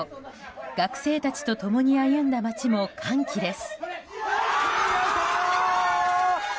学生たちと共に歩んだ街も歓喜です。